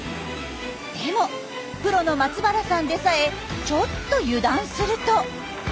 でもプロの松原さんでさえちょっと油断すると。